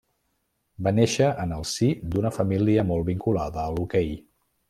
Va néixer en el si d'una família molt vinculada a l'hoquei.